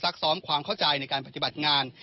ซ้อมความเข้าใจในการปฏิบัติงาน